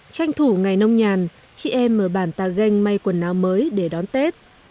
tranh thủ ngày nông nhàn chị em mở bàn tà ganh mây quần áo mới để đón tết